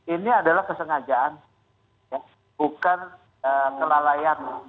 ini adalah kesengajaan bukan kelalaian